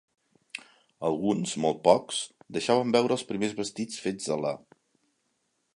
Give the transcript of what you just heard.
Alguns, molt pocs, deixaven veure els primers vestits fets a la.